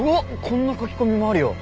こんな書き込みもあるよ。